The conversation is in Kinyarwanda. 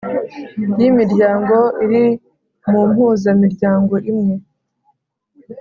y imiryango iri mu mpuzamiryango imwe